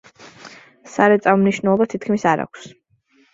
სარეწაო მნიშვნელობა თითქმის არ აქვს.